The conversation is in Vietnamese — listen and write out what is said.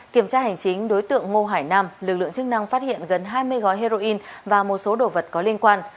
kiểm tra hành chính đối tượng ngô hải nam lực lượng chức năng phát hiện gần hai mươi gói heroin và một số đồ vật có liên quan